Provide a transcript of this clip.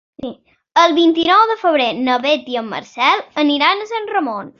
El vint-i-nou de febrer na Beth i en Marcel aniran a Sant Ramon.